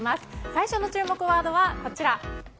最初の注目ワードはこちら。